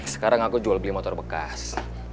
sekarang aku jual beli motor bekas